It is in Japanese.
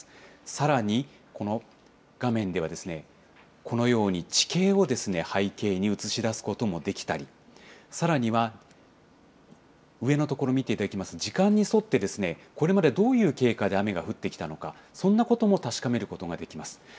さらに、この画面ではこのように地形を背景に映し出すこともできたり、さらには、上のところ見ていただきますと、時間に沿って、これまでどういう経過で雨が降ってきたのか、そんなことも確かめることができます。